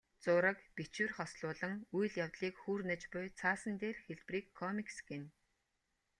Зураг, бичвэр хослуулан үйл явдлыг хүүрнэж буй цаасан дээрх хэлбэрийг комикс гэнэ.